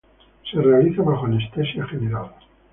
Se realiza bajo anestesia general.